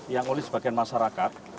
yang oleh sebagian masyarakat